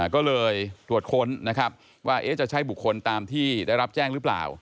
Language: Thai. ก็เลยตรวจค้นนะครับว่าจะใช้บุคคลตามที่ได้รับแจ้งหรือเปล่า